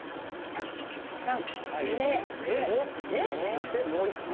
そしてもう一個。